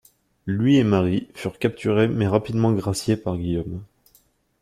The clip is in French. Lui et Marie furent capturés mais rapidement graciés par Guillaume.